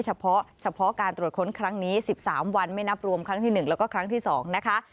เฉพาะเฉพาะการตรวจค้นครั้งนี้๑๓วันไม่นับรวมครั้งที่๑แล้วก็ครั้งที่๒นะคะ